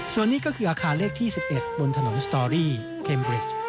ส่วนนี้ก็คืออาคารเลขที่๑๑บนถนนสตอรี่เคมบริด